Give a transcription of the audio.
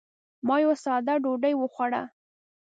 ما یوه ساده ډوډۍ وخوړه.